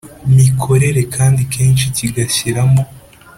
mikorere kandi kenshi kigashyiramo